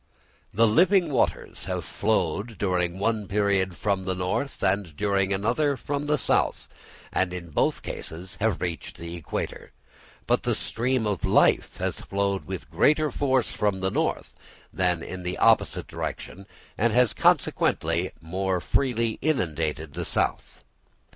The living waters have flowed during one period from the north and during another from the south, and in both cases have reached the equator; but the stream of life has flowed with greater force from the north than in the opposite direction, and has consequently more freely inundated the south.